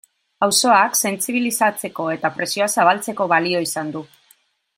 Auzoak sentsibilizatzeko eta presioa zabaltzeko balio izan du.